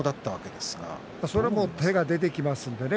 それはもう手が出てきますからね。